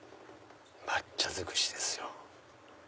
抹茶尽くしですよ。